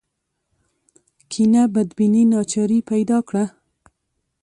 کینه بدبیني ناچاري پیدا کړه